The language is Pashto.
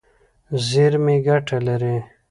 زیرمې ګټه لري.